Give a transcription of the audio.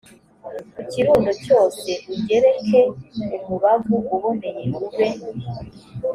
ku kirundo cyose ugereke umubavu uboneye ube